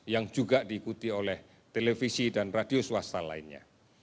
yang juga diikuti oleh televisi dan radio swasta lainnya